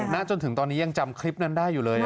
จนถึงตอนนี้ยังจำคลิปนั้นได้อยู่เลย